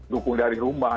dukung dari rumah